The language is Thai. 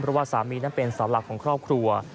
เพราะว่าสามีนั้นเป็นเสาหลักของครอบครัว